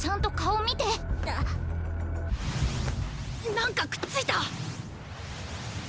なんかくっついた！